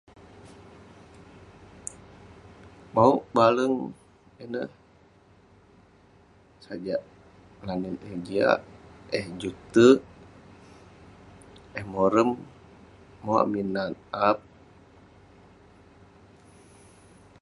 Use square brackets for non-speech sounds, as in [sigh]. Mouk baleng ineh, sajak langit yah jiak. Eh juk tek, eh morem. Mau amik nat. [unintelligible]